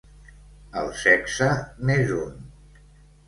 El sexe n'és un.